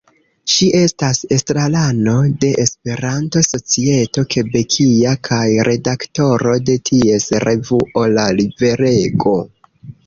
Ŝi estas estrarano de "Esperanto-Societo Kebekia" kaj redaktoro de ties revuo "La Riverego".